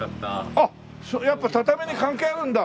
あっやっぱ畳に関係あるんだ。